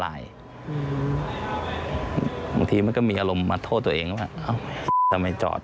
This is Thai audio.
บางทีมันก็มีอารมณ์มาโทษตัวเองว่าเอ้าทำไมจอด